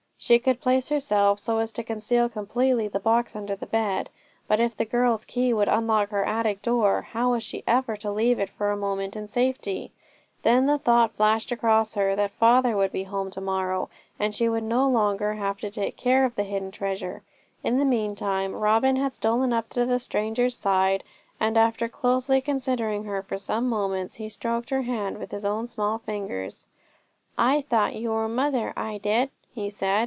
She could place herself so as to conceal completely the box under the bed; but if the girl's key would unlock her attic door, how was she ever to leave it for a moment in safety? Then the thought flashed across her that father would be at home to morrow, and she would no longer have to take care of the hidden treasure. In the meantime Robin had stolen up to the stranger's side, and after closely considering her for some moments, he stroked her hand with his own small fingers. 'I thought you were mother, I did,' he said.